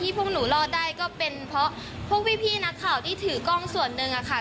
พวกหนูรอดได้ก็เป็นเพราะพวกพี่นักข่าวที่ถือกล้องส่วนหนึ่งอะค่ะ